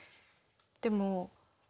でも。